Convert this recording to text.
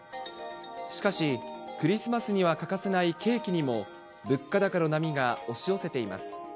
しかし、クリスマスには欠かせないケーキにも、物価高の波が押し寄せています。